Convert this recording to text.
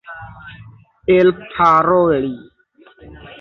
elparoli